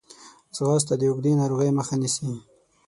ځغاسته د اوږدې ناروغۍ مخه نیسي